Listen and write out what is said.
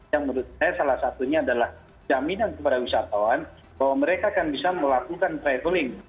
yang menurut saya salah satunya adalah jaminan kepada wisatawan bahwa mereka akan bisa melakukan traveling